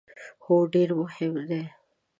هو، ډیر مهم ده